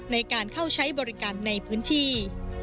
ในการเข้าใช้บริการในพื้นที่